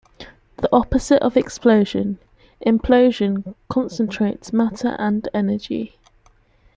The opposite of explosion, implosion concentrates matter and energy.